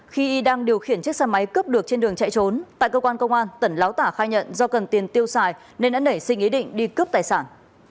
khi y đang điều khiển chiếc xe máy cướp được trên đường chạy trốn tại cơ quan công an tẩn láo tả khai nhận do cần tiền tiêu xài nên đã nảy sinh ý định đi cướp tài sản